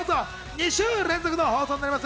２週連続の放送になります。